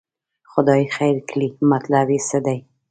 خدای خیر کړي، مطلب یې څه دی.